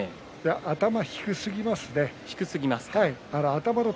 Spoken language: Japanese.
頭が低すぎますね。